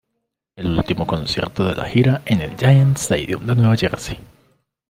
El último concierto de la gira en el Giants Stadium de Nueva Jersey.